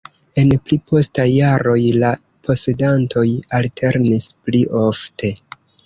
En pli postaj jaroj la posedantoj alternis pli ofte.